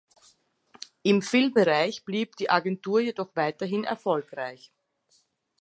Im Filmbereich blieb die Agentur jedoch weiterhin erfolgreich.